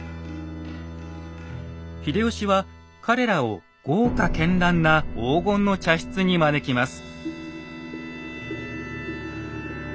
秀吉は彼らを豪華絢爛な黄金の茶室に招きます。